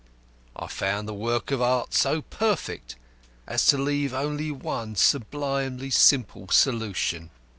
I found the work of art so perfect as to leave only one sublimely simple solution.